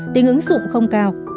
tình ứng dụng không cao